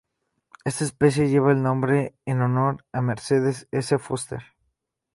Esta especie lleva el nombre en honor a Mercedes S. Foster.